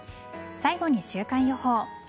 最後に週間予報。